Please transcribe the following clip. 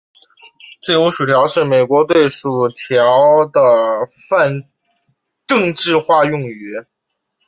自由薯条是美国对炸薯条的泛政治化用语。